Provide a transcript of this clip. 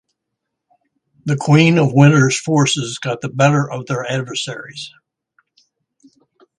The Queen of Winter's forces got the better of their adversaries.